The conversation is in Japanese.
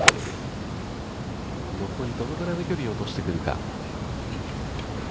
残りどのぐらいの距離を落としてくるか。